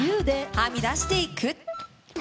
はみ出していく。